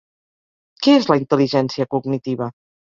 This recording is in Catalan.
Què és la intel·ligència cognitiva?